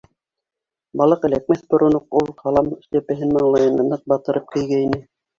Балыҡ эләкмәҫ борон уҡ ул һалам эшләпәһен маңлайына ныҡ батырып кейгәйне.